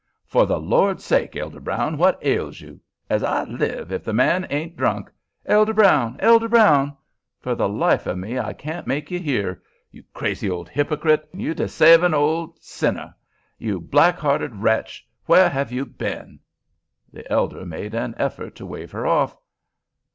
"For the Lord sakes, Elder Brown, what ails you? As I live, if the man ain't drunk! Elder Brown! Elder Brown! for the life of me can't I make you hear? You crazy old hypocrite! you desavin' old sinner! you black hearted wretch! where have you ben?" The elder made an effort to wave her off.